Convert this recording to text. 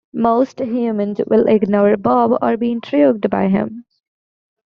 Most humans will ignore Bob, or be intrigued by him.